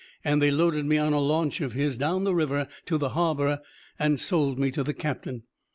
And they loaded me on a launch of his, down the river to the harbour and sold me to the captain.